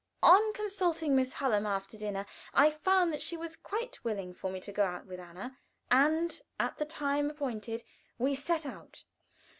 On consulting Miss Hallam after dinner, I found she was quite willing for me to go out with Anna, and at the time appointed we set out.